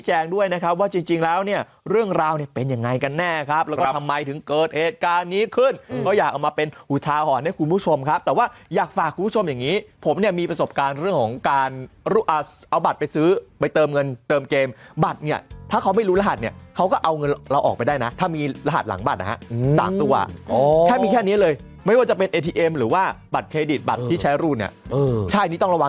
อ่าวเออเออบอกให้บอกขึ้นไม่รู้อะไรเลยเนี่ยผู้ใช้